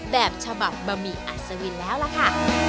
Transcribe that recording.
แบบฉบับบะหมี่อัศวินแล้วล่ะค่ะ